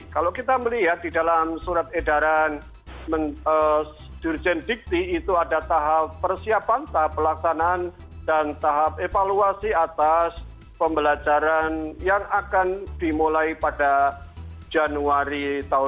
kalau kita melihat di dalam surat edaran dirjen dikti itu ada tahap persiapan tahap pelaksanaan dan tahap evaluasi atas pembelajaran yang akan dimulai pada januari dua ribu dua puluh